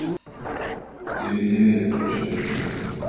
— Теве-теве, — ончыкта Епрем.